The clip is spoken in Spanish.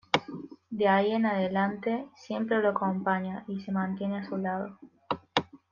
De ahí en adelante siempre lo acompaña y se mantiene a su lado.